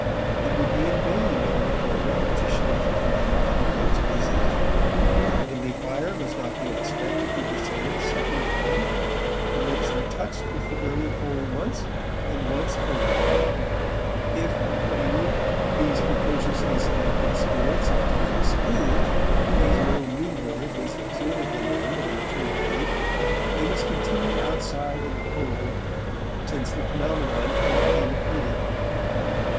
It would be in vain to look for a repetition of the phenomenon in those cases. The heavenly fire must not be expected to descend a second time; the lips are touched with the burning coal once, and once only. If, accordingly, these precociously selected spirits are to be excluded because no new birth is observed in them at a mature age, they must continue outside in the cold, since the phenomenon cannot be repeated.